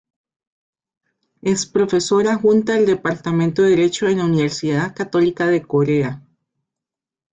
Es profesora adjunta del Departamento de Derecho en la Universidad Católica de Corea.